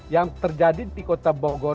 yang terjadi di kota bogor